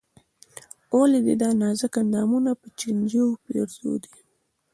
ولې دې دا نازک اندامونه په چينجيو پېرزو دي.